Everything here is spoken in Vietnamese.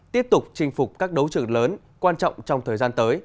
tiếp tục chinh phục các đấu trưởng lớn quan trọng trong thời gian tới